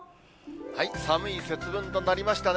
寒い節分となりましたね。